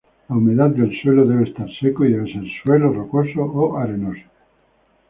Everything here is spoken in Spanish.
La humedad del suelo debe estar seco y debe ser suelos rocosos o arenosos.